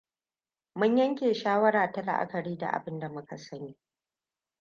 Mun yanke shawara ta la'akari da abinda muka sani.